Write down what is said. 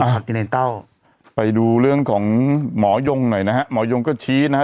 หากินในเต้าไปดูเรื่องของหมอยงหน่อยนะฮะหมอยงก็ชี้นะฮะ